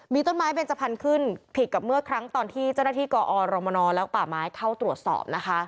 มีต้นไม้เบนจพันธุ์ขึ้นผิดกับเมื่อครั้งตอนที่เจ้าหน้าที่กอรมนและป่าไม้เข้าตรวจสอบนะคะ